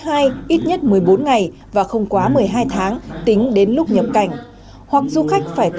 xuất viện tính đến ngày nhập cảnh không quá một mươi hai tháng kết quả kỷ niệm của doanh nhân